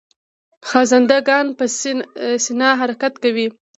خزنده ګان په سینه حرکت کوي